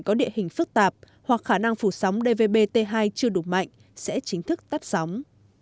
có địa hình phức tạp hoặc khả năng phủ sóng dvbt hai chưa đủ mạnh sẽ chính thức tắt sóng